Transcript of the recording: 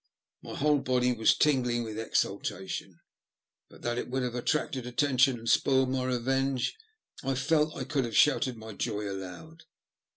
My whole body was tingling with exultation ; but that it would have attracted attention and spoiled my revenge, I felt I could have shouted my joy aloud.